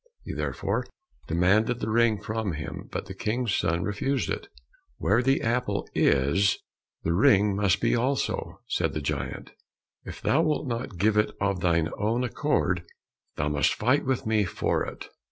He therefore demanded the ring from him, but the King's son refused it. "Where the apple is, the ring must be also," said the giant; "if thou wilt not give it of thine own accord, thou must fight with me for it."